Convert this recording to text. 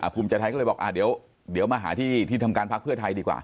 ภูมิใจไทยก็เลยบอกเดี๋ยวมาหาที่ที่ทำการพักเพื่อไทยดีกว่า